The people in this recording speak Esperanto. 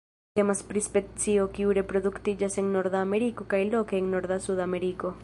Temas pri specio kiu reproduktiĝas en Norda Ameriko kaj loke en norda Suda Ameriko.